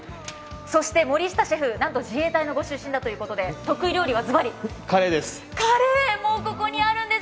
そして森下シェフ、なんと自衛隊のご出身だということで、カレーです。